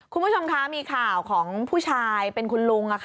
คุณผู้ชมคะมีข่าวของผู้ชายเป็นคุณลุง